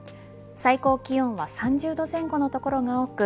最高気温は３０度前後の所が多く